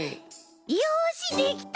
よしできた！